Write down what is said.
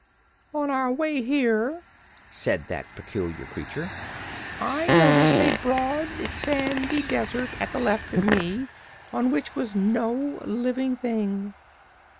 "On our way here," said that peculiar creature, "I noticed a broad, sandy desert at the left of me, on which was no living thing."